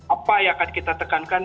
apa yang akan kita tekankan